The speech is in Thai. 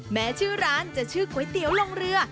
แม้ชื่อร้านจะชื่อก๋วยเตี๋ยวลงเรือ